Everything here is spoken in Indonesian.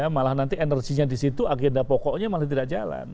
malah nanti energinya di situ agenda pokoknya malah tidak jalan